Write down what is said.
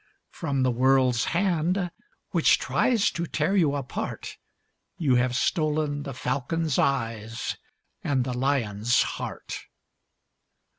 From the world's hand which tries To tear you apart You have stolen the falcon's eyes And the lion's heart.